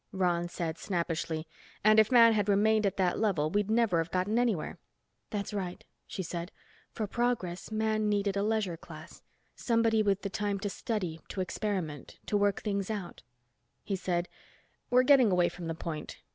Ronny said, snappishly, "And if man had remained at that level, we'd never have gotten anywhere." "That's right," she said. "For progress, man needed a leisure class. Somebody with the time to study, to experiment, to work things out." He said, "We're getting away from the point.